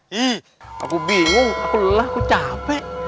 hih aku bingung aku lelah aku capek